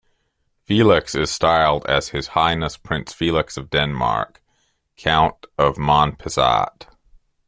Felix is styled as "His Highness Prince Felix of Denmark, Count of Monpezat".